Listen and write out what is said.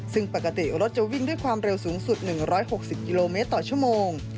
ซึ่งปกติรถจะวิ่งด้วยความเร็วสูงสุด๑๖๐กิโลเมตรต่อชั่วโมง